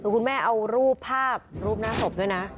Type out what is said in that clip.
คุณแม่เอารูปภาพรูปหน้าศพด้วยนะ